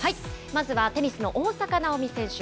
まずはテニスの大坂なおみ選手。